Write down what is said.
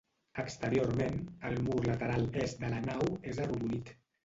Exteriorment, el mur lateral est de la nau és arrodonit.